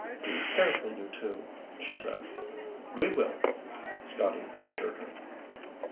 "Be careful, you two," she said. "We will," Scotty assured her.